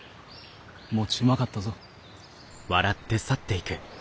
餅うまかったぞ。